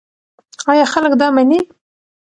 ایا خلک دا مني؟